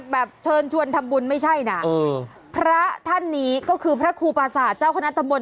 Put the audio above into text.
แบบเชิญชวนทำบุญไม่ใช่นะพระท่านนี้ก็คือพระครูปราศาสตร์เจ้าคณะตำบล